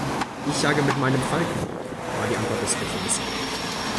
„Ich jage mit meinem Falken“, war die Antwort des Alchemisten.